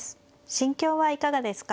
心境はいかがですか。